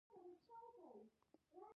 ایا ستاسو شک به لرې نه شي؟